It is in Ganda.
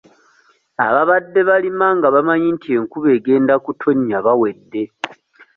Ababadde balima nga bamanyi nti enkuba egenda kutonnya bawedde.